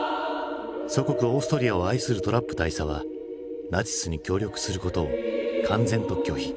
祖国オーストリアを愛するトラップ大佐はナチスに協力することを敢然と拒否。